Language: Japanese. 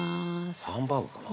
ハンバーグかな？